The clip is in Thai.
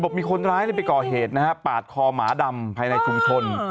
บอกมีคนร้ายเลยเก่าเหตุปากคอหมาดำในชุมชน